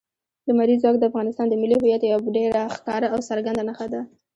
لمریز ځواک د افغانستان د ملي هویت یوه ډېره ښکاره او څرګنده نښه ده.